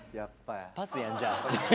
パスやんじゃあ。